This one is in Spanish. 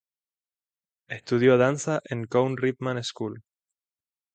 Estudió danza en Cone-Ripman School.